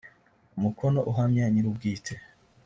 umukono uhamya nyirubwite.